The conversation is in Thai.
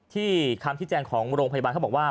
คำที่แจ้งของโรงพยาบาลเขาบอกว่า